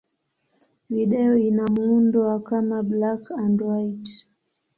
Video ina muundo wa kama black-and-white.